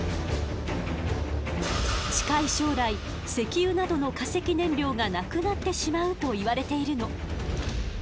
近い将来石油などの化石燃料がなくなってしまうといわれているの。